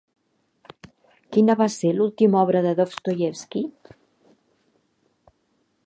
Quina va ser l'última obra de Dostoievski?